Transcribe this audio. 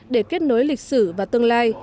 để kết nối lịch sử và tương lai